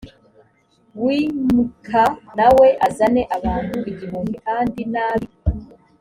w i m ka na we azane abantu igihumbi kandi n ab i